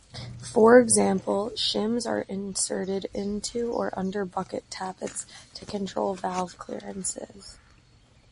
For example, shims are inserted into or under bucket tappets to control valve clearances.